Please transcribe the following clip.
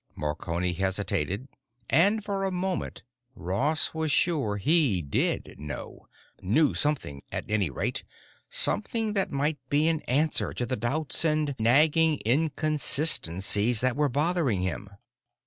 Marconi hesitated, and for a moment Ross was sure he did know—knew something, at any rate, something that might be an answer to the doubts and nagging inconsistencies that were bothering him.